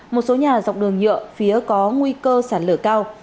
một số nhà dọc đường nhựa phía có nguy cơ sản lở cao